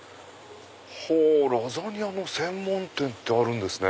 ラザニアの専門店あるんですね。